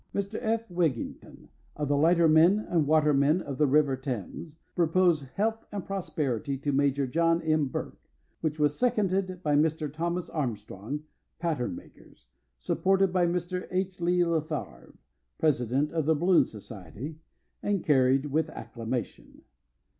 Mr. F. Wigington (of the lightermen and watermen of the River Thames) proposed "Health and Prosperity to Maj. John M. Burke," which was seconded by Mr. Thomas Armstrong (patternmakers), supported by Mr. H. Le Fevre (president of the Balloon Society), and carried with acclamation.